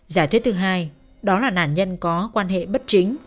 giả thuyết thứ hai đó là nạn nhân có quan hệ bất chính